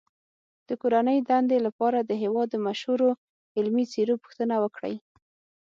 د کورنۍ دندې لپاره د هېواد د مشهورو علمي څیرو پوښتنه وکړئ.